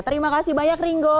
terima kasih banyak ringo